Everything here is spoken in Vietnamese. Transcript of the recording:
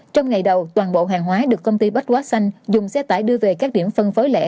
trong ngày đầu toàn bộ hàng hóa được công ty bách quá xanh dùng xe tải đưa về các điểm phân phối lẻ